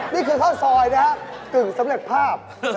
นี่คือข้าวซอยนะฮะกึ่งสำเร็จภาพ